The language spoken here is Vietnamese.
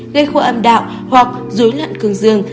gây khua âm đạo hoặc dối lận cường dương